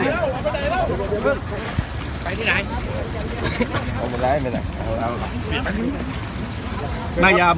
ซีโอเคเยี่ยมครับ